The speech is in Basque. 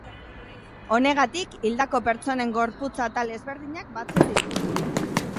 Honegatik, hildako pertsonen gorputz atal ezberdinak batzen ditu.